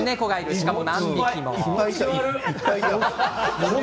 しかも何匹も。